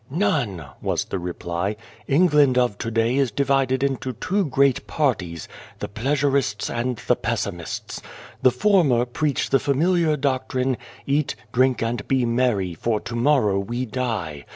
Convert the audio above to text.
"None," was the reply. "England of to day is divided into two great parties the Pleasurists 249 A World and the Pessimists. The former preach the familiar doctrine, ' Eat, drink, and be merry, for to morrow we die.'